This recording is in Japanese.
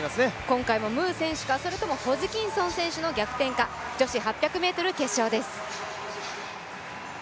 今回もムー選手か、それともホジキンソン選手の逆転か、女子８００ｍ決勝です。